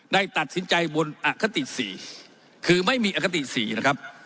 ได้ตัดสินใจบนอคติ๔คือไม่มีอคติ๔นะครับ